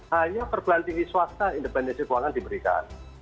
hanya perguruan tinggi swasta independensi keuangan diberikan